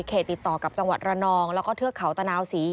ติดต่อกับจังหวัดระนองแล้วก็เทือกเขาตะนาวศรี